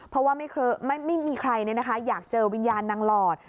เพราะว่าไม่มีใครอยากเจอวิญญาณนางหลอด